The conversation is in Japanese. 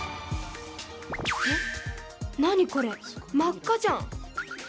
え何これ、真っ赤じゃん！